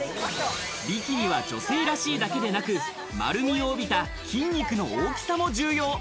ビキニは女性らしいだけでなく、丸みを帯びた筋肉の大きさも重要。